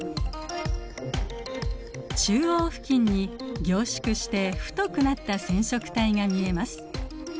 中央付近に凝縮して太くなった染色体が見えます。